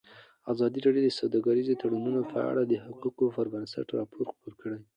ازادي راډیو د سوداګریز تړونونه په اړه د حقایقو پر بنسټ راپور خپور کړی.